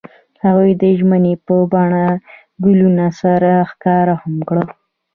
هغوی د ژمنې په بڼه ګلونه سره ښکاره هم کړه.